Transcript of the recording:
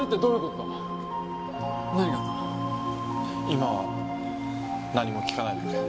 今は何も聞かないでくれ。